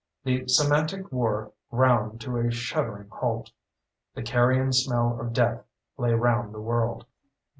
The Semantic War ground to a shuddering halt. The carrion smell of death lay round the world.